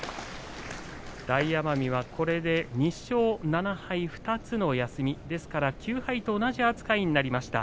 大奄美は、これで２勝７敗、２つの休みですから９敗と同じ扱いになりました。